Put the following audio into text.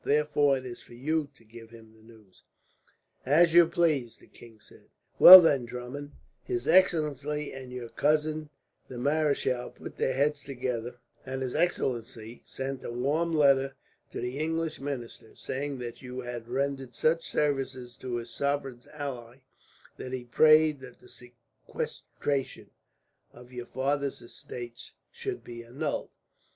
Therefore it is for you to give him the news." "As you please," the king said. "Well then, Drummond, his excellency and your cousin the Marischal put their heads together, and his excellency sent a warm letter to the English minister, saying that you had rendered such services to his sovereign's ally that he prayed that the sequestration of your father's estates should be annulled.